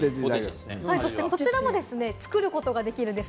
こちらも作ることができます。